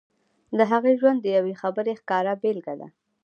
د هغې ژوند د يوې خبرې ښکاره بېلګه ده.